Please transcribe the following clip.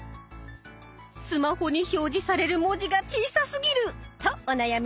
スマホに表示される文字が小さすぎる！とお悩みの皆さん。